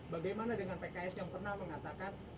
bagaimana dengan pks yang pernah mengatakan